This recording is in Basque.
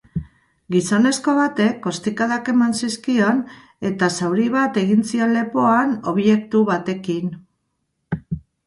Gizonezko batek ostikadak eman zizkion eta zauri bat egin zion lepoan objektu batekin.